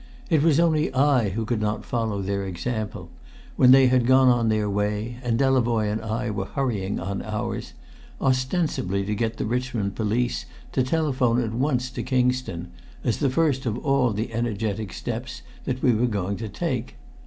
It was only I who could not follow their example, when they had gone on their way, and Delavoye and I were hurrying on ours, ostensibly to get the Richmond police to telephone at once to Kingston, as the first of all the energetic steps that we were going to take.